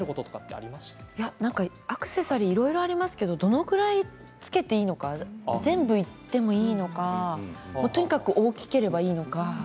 アクセサリーはいろいろありますけれどもどれくらいつけていいのか全部いってもいいのかとにかく大きければいいのか。